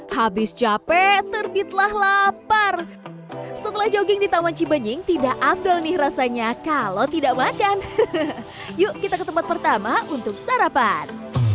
habis capek terbitlah lapar setelah jogging di taman cibenying tidak afdal nih rasanya kalau tidak makan yuk kita ke tempat pertama untuk sarapan